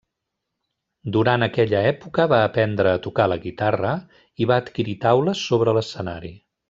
Durant aquella època va aprendre a tocar la guitarra i va adquirir taules sobre l'escenari.